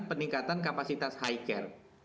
peningkatan kapasitas high care